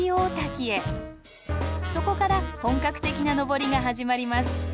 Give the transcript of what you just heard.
そこから本格的な登りが始まります。